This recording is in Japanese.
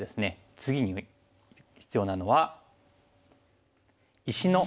次に必要なのは。